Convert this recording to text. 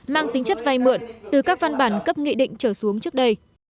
mang tính chất vay mượn từ các văn bản cấp nghị định trở xuống trước đây